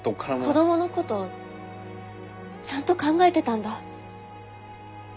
子どものことちゃんと考えてたんだ。